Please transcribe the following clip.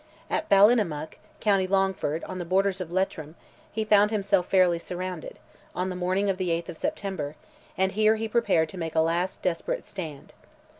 At Ballinamuck, county Longford, on the borders of Leitrim, he found himself fairly surrounded, on the morning of the 8th of September; and here he prepared to make a last desperate stand.